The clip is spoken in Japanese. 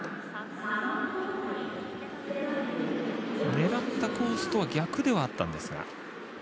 狙ったコースとは逆ではあったんですが。